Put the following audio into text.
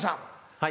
はい。